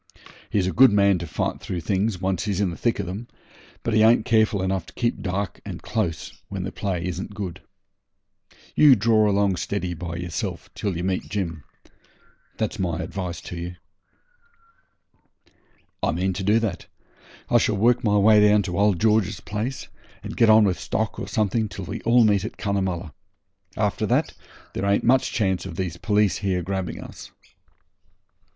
He's a good man to fight through things when once he's in the thick of 'em, but he ain't careful enough to keep dark and close when the play isn't good. You draw along steady by yourself till you meet Jim that's my advice to ye.' 'I mean to do that. I shall work my way down to old George's place, and get on with stock or something till we all meet at Cunnamulla. After that there ain't much chance of these police here grabbing us.'